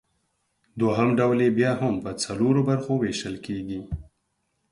دوهم ډول یې بیا هم پۀ څلورو برخو ویشل کیږي